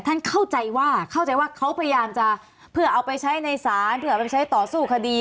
เข้าใจว่าเข้าใจว่าเขาพยายามจะเพื่อเอาไปใช้ในศาลเพื่อไปใช้ต่อสู้คดี